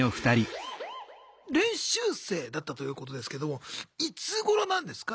練習生だったということですけどもいつごろなんですか？